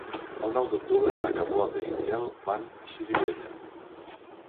El nou d'octubre na Carlota i en Quel van a Xirivella.